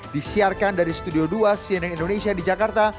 disiarkan dari studio dua cnn indonesia di jakarta